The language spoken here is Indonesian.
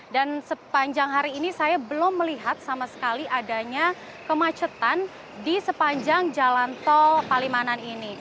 dan sepanjang hari ini saya belum melihat sama sekali adanya kemacetan di sepanjang jalan tol palimanan ini